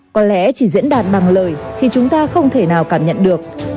có lẽ chỉ diễn đạt bằng lời thì chúng ta không thể nào cảm nhận được